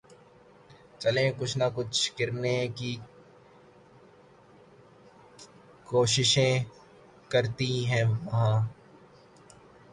چلیں کچھ نہ کچھ کرنیں کی کیںشش کرتیں ہیں وہاں